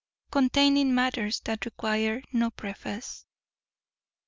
_Containing matters that require no preface.